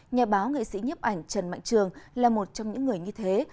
nhà báo nghệ sĩ nhấp ảnh trần mạnh trường là một trong những người như thế